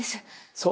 そう。